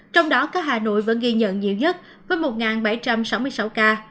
trong đó có hà nội vẫn ghi nhận nhiều nhất với một bảy trăm sáu mươi sáu ca